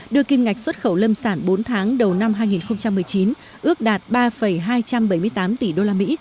đưa kim ngạch xuất khẩu lâm sản bốn tháng đầu năm hai nghìn một mươi chín ước đạt ba hai trăm bảy mươi tám tỷ usd